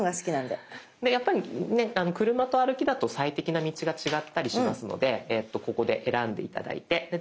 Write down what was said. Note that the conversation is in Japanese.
でやっぱりね車と歩きだと最適な道が違ったりしますのでここで選んで頂いてで大丈夫そうだ２２分だ。